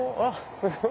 すごい。